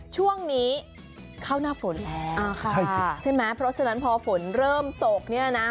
ช่วงนี้เข้าหน้าฝนแล้วใช่ไหมเพราะฉะนั้นพอฝนเริ่มตกเนี่ยนะ